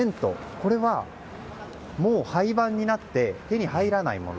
これは、もう廃盤になって手に入らないもの